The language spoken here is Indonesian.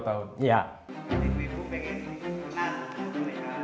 jadi saya ingin menanggung mereka